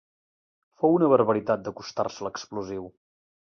Fou una barbaritat d'acostar-se a l'explosiu.